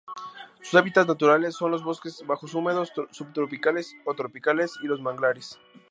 Sus hábitats naturales son los bosques bajos húmedos subtropicales o tropicales y los manglares.